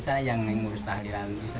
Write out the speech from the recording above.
sayang yang ngurus kehadiran di sana